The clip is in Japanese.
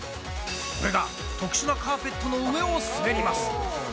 これが特殊なカーペットの上を滑ります。